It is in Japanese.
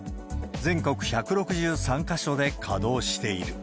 全国１６３か所で稼働している。